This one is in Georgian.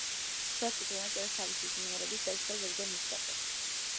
ხშირად თვითონვე წერს თავისი სიმღერების ტექსტს და ზოგჯერ მუსიკასაც.